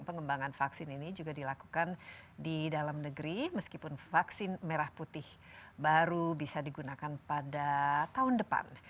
pengembangan vaksin ini juga dilakukan di dalam negeri meskipun vaksin merah putih baru bisa digunakan pada tahun depan